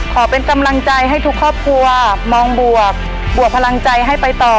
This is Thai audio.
ขอเป็นกำลังใจให้ทุกครอบครัวมองบวกบวกพลังใจให้ไปต่อ